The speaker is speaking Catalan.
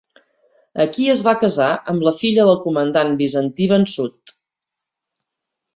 Aquí es va casar amb la filla del comandant bizantí vençut.